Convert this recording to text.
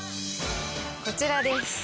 こちらです。